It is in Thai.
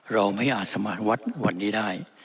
เราไม่อาสมันวัดวันนี้ได้